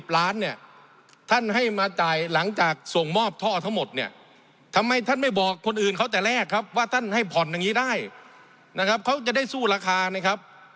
เนี่ยท่านให้มาจ่ายหลังจากส่งมอบท่อทั้งหมดเนี่ยทำไมท่านไม่บอกคนอื่นเขาแต่แรกครับว่าท่านให้ผ่อนอย่างนี้ได้นะครับเขาจะได้สู้ราคานะครับ